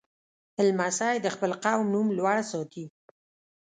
لمسی د خپل قوم نوم لوړ ساتي.